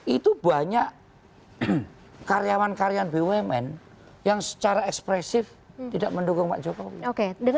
itu banyak karyawan karyawan bumn yang secara ekspresif tidak mendukung pak jokowi